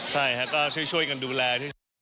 ใช่ค่ะก็ช่วยกันดูแล